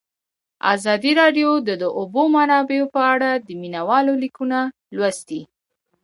ازادي راډیو د د اوبو منابع په اړه د مینه والو لیکونه لوستي.